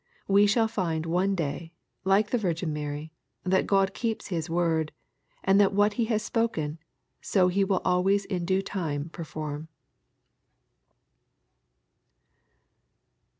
We shall find one day, like the Virgin Mary, that God keeps His word, and that what He has spoken, so He will always in due time perform.